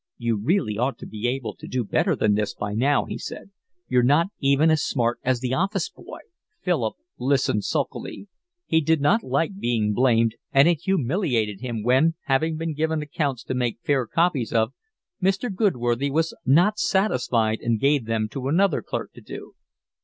"You really ought to be able to do better than this by now," he said. "You're not even as smart as the office boy." Philip listened sulkily. He did not like being blamed, and it humiliated him, when, having been given accounts to make fair copies of, Mr. Goodworthy was not satisfied and gave them to another clerk to do.